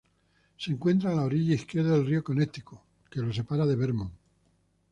Se encuentra a la orilla izquierda del río Connecticut, que lo separa de Vermont.